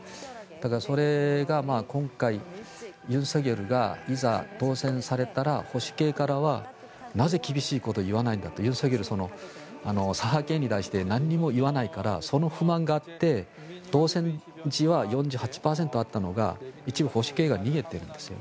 だからそれが今回、尹錫悦がいざ当選されたら保守系からはなぜ厳しいことを言わないんだと尹錫悦は左派系に対して何も言わないからその不満があって当選時は４８％あったのが、一部保守系が逃げているんです。